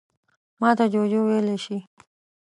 _ماته جُوجُو ويلی شې.